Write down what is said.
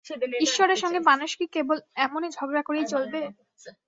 ঈশ্বরের সঙ্গে মানুষ কি কেবল এমনি ঝগড়া করেই চলবে?